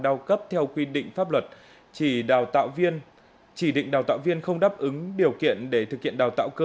đa cấp theo quy định pháp luật chỉ định đào tạo viên không đáp ứng điều kiện để thực hiện đào tạo cơ